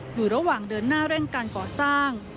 อยู่ระหว่างเดินหน้าเร่งการก่อสร้าง